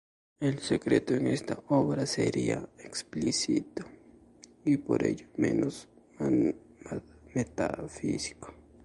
El secreto en esta obra sería explícito y por ello menos metafísico.